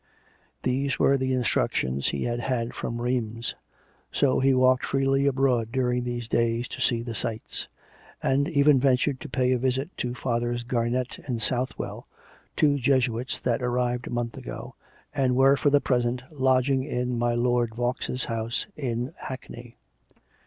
These were the instructions he had had from Rheims. So he walked freely abroad during these days to see the sights ; and even ventured to pay a visit to Fathers Garnett and Southwell, two Jesuits that arrived a month ago, and were for the present lodging in my Lord Vaux's house in Hack ney.